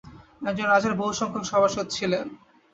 একজন রাজার বহুসংখ্যক সভাসদ ছিলেন।